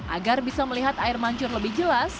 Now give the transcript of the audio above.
agar bisa melihat air mancur lebih jelas